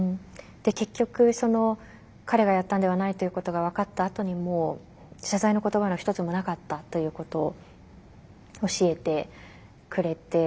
結局彼がやったんではないということが分かったあとにも謝罪の言葉の一つもなかったということを教えてくれて。